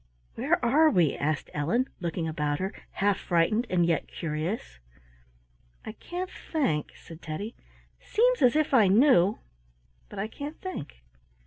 "Where are we?" asked Ellen, looking about her, half frightened and yet curious. "I can't think," said Teddy. "Seems as if I knew, but I can't think."